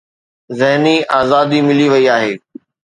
ذهني آزادي ملي وئي آهي.